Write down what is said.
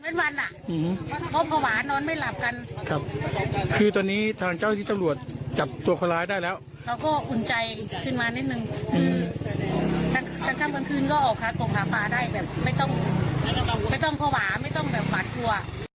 ทั้งค่ำกลางคืนก็ออกค้ากลบหาปลาได้ไม่ต้องเผาหวาไม่ต้องปัดกลัว